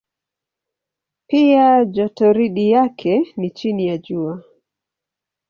Pia jotoridi yake ni chini ya Jua.